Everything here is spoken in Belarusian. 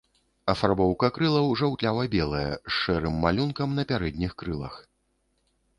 Афарбоўка крылаў жаўтлява-белая, з шэрым малюнкам на пярэдніх крылах.